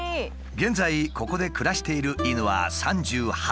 現在ここで暮らしている犬は３８頭。